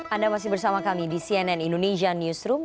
anda masih bersama kami di cnn indonesia newsroom